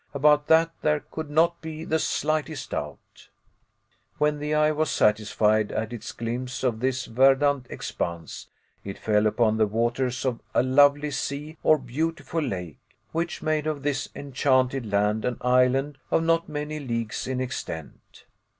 About that there could not be the slightest doubt. When the eye was satisfied at its glimpse of this verdant expanse, it fell upon the waters of a lovely sea or beautiful lake, which made of this enchanted land an island of not many leagues in extent.